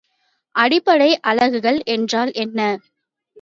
அடிப்படை அலகுகள் என்றால் என்ன?